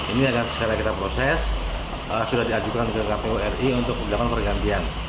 ini dengan segala kita proses sudah diajukan ke kpuri untuk kegagalan pergantian